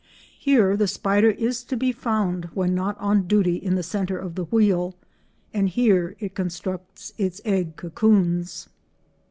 Here the spider is to be found when not on duty in the centre of the wheel, and here it constructs its egg cocoons.